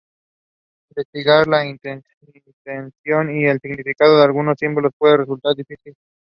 Investigar la intención y el significado de algunos símbolos puede resultar difícil.